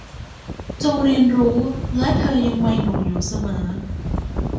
จงเรียนรู้และเธอยังวัยหนุ่มอยู่เสมอ